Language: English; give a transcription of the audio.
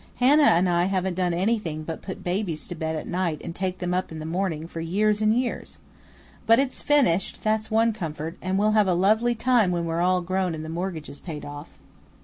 "Hannah and I haven't done anything but put babies to bed at night and take them up in the morning for years and years. But it's finished, that's one comfort, and we'll have a lovely time when we're all grown up and the mortgage is paid off."